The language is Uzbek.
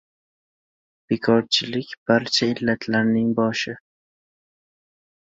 • Bekorchilik — barcha illatlarning boshi.